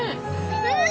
うん！